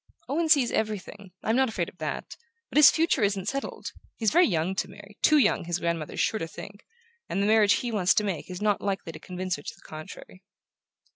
"Owen sees everything: I'm not afraid of that. But his future isn't settled. He's very young to marry too young, his grandmother is sure to think and the marriage he wants to make is not likely to convince her to the contrary."